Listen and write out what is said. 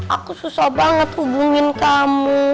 aku susah banget hubungin kamu